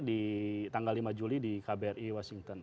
di tanggal lima juli di kbri washington